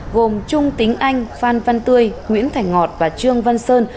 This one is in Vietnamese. gồm trung tính anh phan văn tươi nguyễn thành ngọt và trương văn sơn